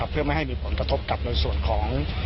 เพื่อไม่ให้มีผลกระทบกับในส่วนของ